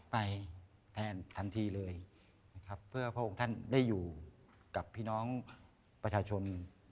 ไปแทนทันทีเลยนะครับเพื่อพระองค์ท่านได้อยู่กับพี่น้องประชาชน